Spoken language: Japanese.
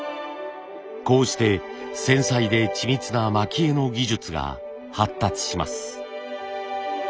こうして繊細で緻密な蒔絵の技術が発達します。